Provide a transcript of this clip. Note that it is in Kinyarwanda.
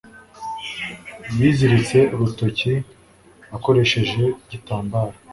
Yiziritse urutoki akoresheje igitambaro.